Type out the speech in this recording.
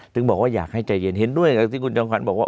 จึงบอกว่าอยากให้ใจเย็นเห็นด้วยแฮคที่คุณจ้องฝันบอกว่า